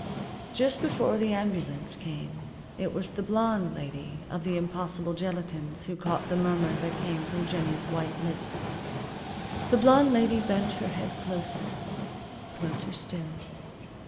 Just before the ambulance came it was the blonde lady of the impossible gelatines who caught the murmur that came from Jennie's white lips. The blonde lady bent her head closer. Closer still.